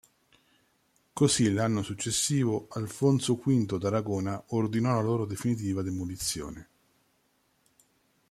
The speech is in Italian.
Così l'anno successivo Alfonso V d'Aragona ordinò la loro definitiva demolizione.